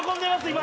今。